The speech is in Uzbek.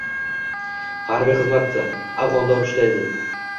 Harbiy xizmatda, afg‘onda urushida edi.